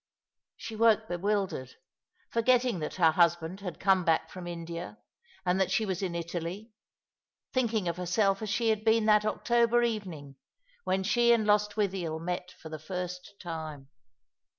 She woke bewildered, forgetting that her husband had come back from India, and that she was in Italy, thinking of herself as she had been that October evening when she and Lostwithiel met for the first time.